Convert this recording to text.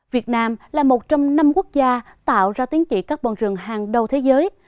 việt nam là một trong năm quốc gia tạo ra tính trị carbon rừng hàng đầu thế giới